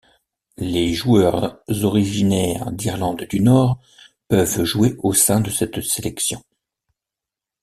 Les joueurs originaires d'Irlande du Nord peuvent jouer au sein de cette sélection.